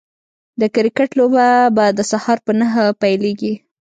د کرکټ لوبه به د سهار په نهه پيليږي